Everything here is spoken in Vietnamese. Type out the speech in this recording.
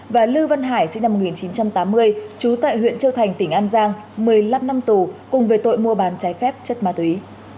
và lưu văn hải sinh năm một nghìn chín trăm tám mươi trú tại huyện châu thành tỉnh an giang một mươi năm năm tù cùng về tội mua bán trái phép chất ma túy